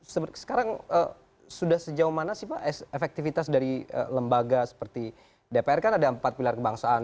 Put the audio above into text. sekarang sudah sejauh mana sih pak efektivitas dari lembaga seperti dpr kan ada empat pilar kebangsaan